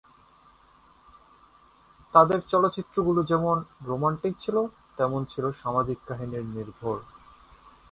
তাদের চলচ্চিত্র গুলো যেমন রোমান্টিক ছিল তেমন ছিল সামাজিক কাহিনী নির্ভর।